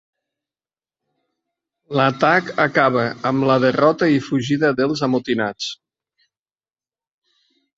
L'atac acaba amb la derrota i fugida dels amotinats.